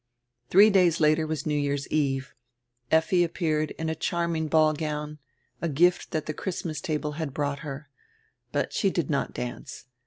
Three days later was New Year's eve. Effi appeared in a charming ball gown, a gift tirat tire Christmas tahle had brought her. But she did not dance.